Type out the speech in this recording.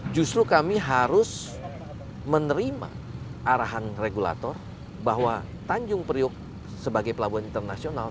justru kami harus menerima arahan regulator bahwa tanjung priok sebagai pelabuhan internasional